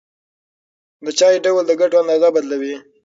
د چای ډول د ګټو اندازه بدلوي.